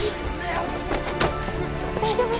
大丈夫？